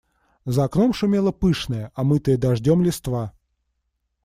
За окном шумела пышная, омытая дождем листва.